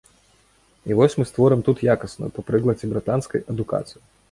І вось мы створым тут якасную, па прыкладзе брытанскай, адукацыю.